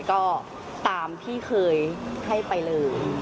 ก็ตามที่เคยให้ไปเลย